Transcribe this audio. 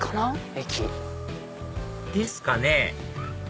駅。ですかね